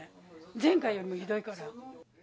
前回よりもひどいから。